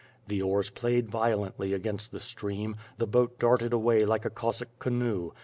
The oars played violently against the stream, the boat darted awav like a Cossack canoe.